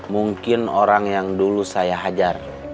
mungkin orang yang dulu saya hajar